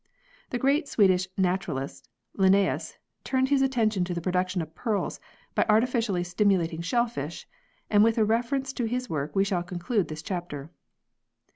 The great Swedish naturalist Linnaeus turned his attention to the production of pearls by artificially stimulating shellfish, and with a reference to his work we shall conclude this chapter.